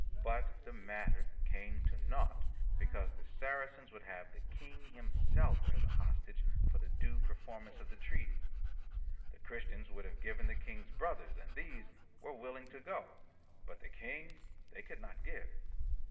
But the matter came to naught, because the Saracens would have the King himself as a hostage for the due performance of the treaty. The Christians would have given the King's brothers, and these were willing to go; but the King they could not give.